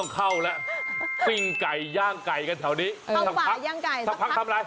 เข้าฝ่าย่างไก่สักพักสักพักทำอะไร